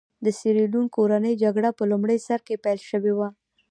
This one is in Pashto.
د سیریلیون کورنۍ جګړه په لومړي سر کې پیل شوې وه.